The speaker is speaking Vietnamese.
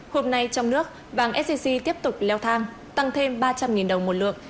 hôm nay trong nước vàng sgc tiếp tục leo thang tăng thêm ba trăm linh đồng một lượng